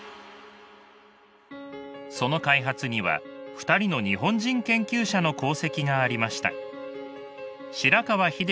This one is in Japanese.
その開発には２人の日本人研究者の功績がありました。